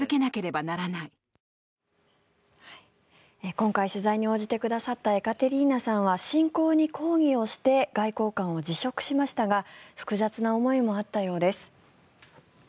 今回取材に応じてくださったエカテリーナさんは侵攻に抗議をして外交官を辞職しましたが複雑な思いもあったようです。